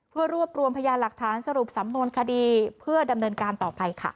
เพื่อรวบรวมพยานหลักฐานสรุปสำนวนคดีเพื่อดำเนินการต่อไปค่ะ